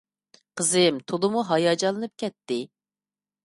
قىزىم تولىمۇ ھاياجانلىنىپ كەتتى.